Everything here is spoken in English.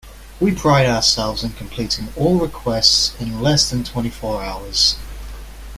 We pride ourselves in completing all requests in less than twenty four hours.